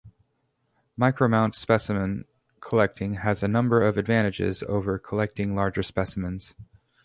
Micromount specimen collecting has a number of advantages over collecting larger specimens.